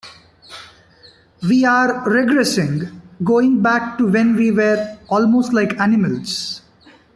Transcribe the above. We are regressing, going back to when we were almost like animals.